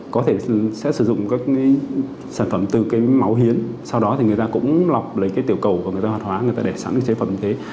có thể sẽ sử dụng các sản phẩm từ cái máu hiến sau đó thì người ta cũng lọc lấy cái tiểu cầu và người ta hoạt hóa để sẵn chế phẩm như thế